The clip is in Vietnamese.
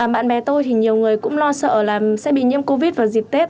bạn bè tôi thì nhiều người cũng lo sợ là sẽ bị nhiễm covid vào dịp tết